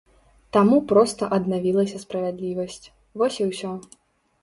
Таму проста аднавілася справядлівасць, вось і ўсё.